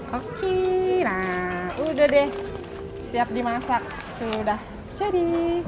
oke nah udah deh siap dimasak sudah jadi